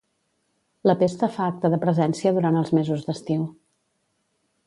La pesta fa acte de presència durant els mesos d'estiu.